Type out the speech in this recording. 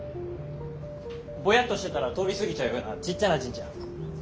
ぼやっとしてたら通り過ぎちゃうようなちっちゃな神社。